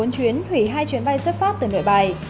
bốn chuyến hủy hai chuyến bay xuất phát từ nội bài